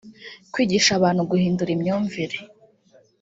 kwigisha abantu guhindura imyumvire